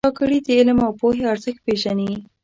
کاکړي د علم او پوهې ارزښت پېژني.